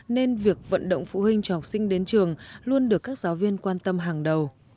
nên việc vận động phụ huynh cho học sinh đến trường luôn được các giáo viên quan tâm hàng đầu